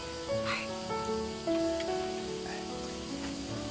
はい。